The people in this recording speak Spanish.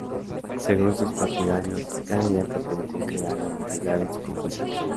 Según sus partidarios cada idea pertenecería a la humanidad en su conjunto.